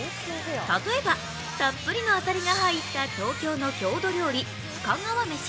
例えば、たっぷりのあさりが入った東京の郷土料理、深川めし。